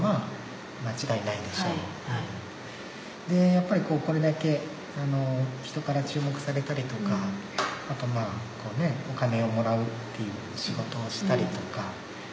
やっぱりこれだけ人から注目されたりとかあとまぁお金をもらうっていう仕事をしたりとか。